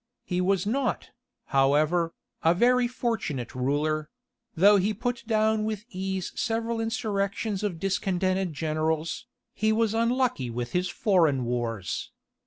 He was not, however, a very fortunate ruler; though he put down with ease several insurrections of discontented generals, he was unlucky with his foreign wars.